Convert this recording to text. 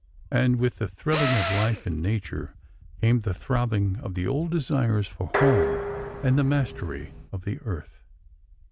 And with the thrilling of life in nature came the throbbing of the old desires for home and the mastery of the earth.